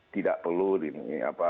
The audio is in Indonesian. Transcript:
tidak perlu ini